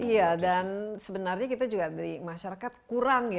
iya dan sebenarnya kita juga di masyarakat kurang ya